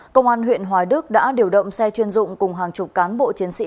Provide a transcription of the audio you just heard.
công an huyện hoài đức đã điều động xe chuyên dụng cùng hàng chục cán bộ chiến sĩ